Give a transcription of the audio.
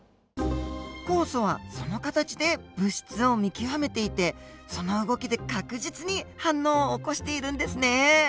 酵素はその形で物質を見極めていてその動きで確実に反応を起こしているんですね。